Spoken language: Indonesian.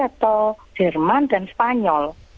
atau jerman dan spanyol